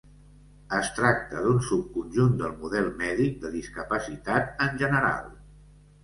Es tracta d'un subconjunt del model mèdic de discapacitat en general.